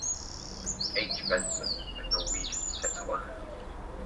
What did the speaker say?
H. Benson, a Norwegian settler.